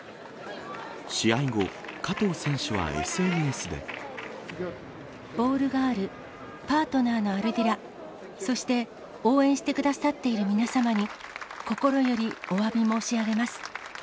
試合後、ボールガール、パートナーのアルディラ、そして応援してくださっている皆様に、心よりおわび申し上げます。